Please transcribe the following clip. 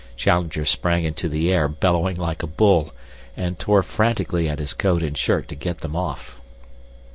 Challenger sprang into the air bellowing like a bull, and tore frantically at his coat and shirt to get them off.